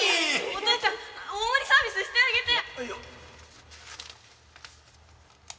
お父ちゃん大盛りサービスしてあげて！